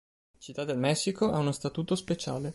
Città del Messico ha uno statuto speciale.